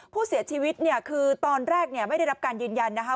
ผู้เสียชีวิตคือตอนแรกไม่ได้รับการยืนยันว่า